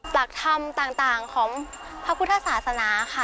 หลักธรรมต่างของพระพุทธศาสนาค่ะ